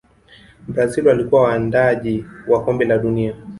brazil walikuwa waandaaji wa kombe la dunia